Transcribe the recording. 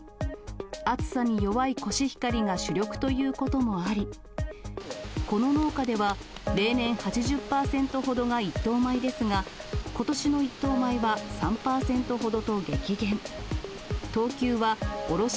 暑さに弱いコシヒカリが主力ということもあり、この農家では、例年８０％ほどが一等米ですが、ことしの一等米は３％ほどと激減。